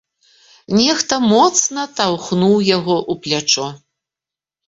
Нехта моцна таўхануў яго ў плячо.